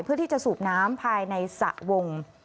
เพื่อที่จะสูบน้ำภายในสระวง